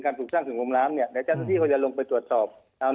การถูกสร้างถึงกลมล้ำในการที่เขาจะลงไปตรวจสอบ